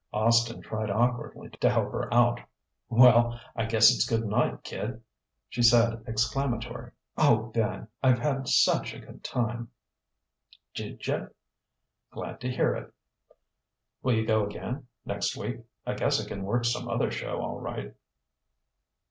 Austin tried awkwardly to help her out: "Well, I guess it's good night, kid." She said, exclamatory: "O Ben! I've had such a good time!" "Dja? Glad to hear it. Will you go again next week? I guess I can work som'other show, all right."